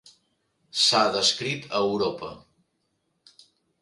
S'ha descrit a Europa.